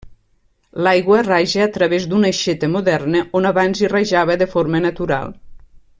L'aigua raja a través d'una aixeta moderna on abans hi rajava de forma natural.